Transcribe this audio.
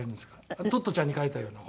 『トットちゃん』に書いたようなお話？